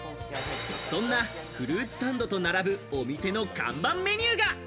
そんなフルーツサンドと並ぶお店の看板メニューが。